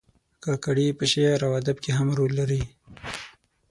کاکړي په شعر او ادب کې هم رول لري.